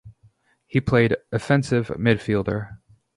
He played offensive midfielder.